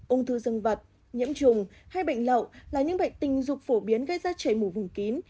ung thư dân vật nhiễm trùng hay bệnh lậu là những bệnh tình dục phổ biến gây ra chảy mù vùng kín